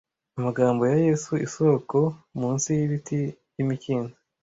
amagambo ya yesu isoko munsi y'ibiti by'imikindo